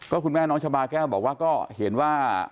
คุณแม่น้องชะบาแก้วบอกว่าก็เห็นว่า